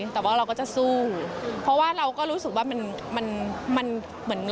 แต่ว่าเราก็จะสู้เพราะว่าเราก็รู้สึกว่ามันมันเหมือน